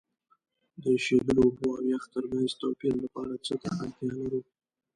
د ایشیدلو اوبو او یخ ترمنځ توپیر لپاره څه ته اړتیا لرو؟